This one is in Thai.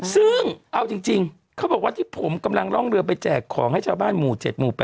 ซึ่งเอาจริงเขาบอกว่าที่ผมกำลังร่องเรือไปแจกของให้ชาวบ้านหมู่๗หมู่๘